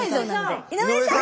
井上さん！